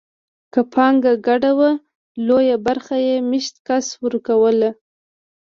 که پانګه ګډه وه لویه برخه یې مېشت کس ورکوله.